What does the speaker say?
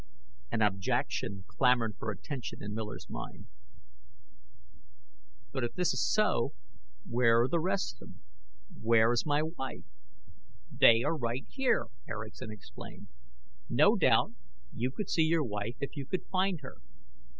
An objection clamored for attention in Miller's mind. "But if this is so, where are the rest of them? Where is my wife?" "They are right here," Erickson explained. "No doubt you could see your wife if you could find her.